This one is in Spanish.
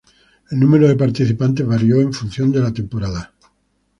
El número de participantes varió en función de la temporada.